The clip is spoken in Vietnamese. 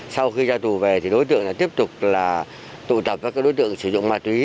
sau khi ra tù về thì đối tượng tiếp tục là tụ tập các đối tượng sử dụng ma túy